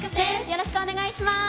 よろしくお願いします。